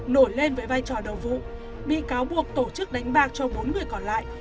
nổi lên với vai trò đầu vụ bị cáo buộc tổ chức đánh bạc cho bốn người còn lại